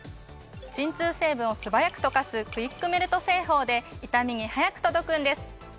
鎮痛成分を素早く溶かすクイックメルト製法で痛みに速く届くんです。